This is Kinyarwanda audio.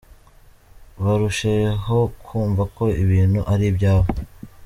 barusheho kumva ko ibintu ari ibyabo.